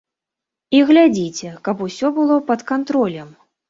І глядзіце, каб усё было пад кантролем.